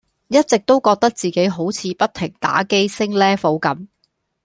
一直都覺得自己好似不停打機升 Level 咁